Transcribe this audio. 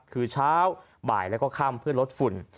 คือเช้าบ่ายแล้วก็ค่ำเพื่อลดฝุ่น